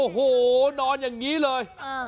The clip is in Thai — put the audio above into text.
โอ้โหนอนอย่างนี้เลย